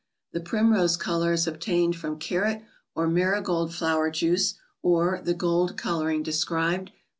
The primrose color is ob¬ tained from carrot or marigold flower juice, or the Gold Coloring described, p.